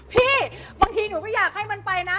บางทีหนูไม่อยากให้มันไปนะ